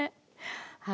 はい。